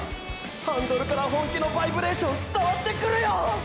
ハンドルから本気のバイブレーション伝わってくるよ！！